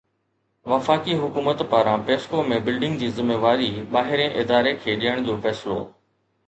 وفاقي حڪومت پاران پيسڪو ۾ بلنگ جي ذميواري ٻاهرين اداري کي ڏيڻ جو فيصلو